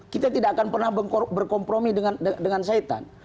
kita tidak akan pernah berkompromi dengan saitan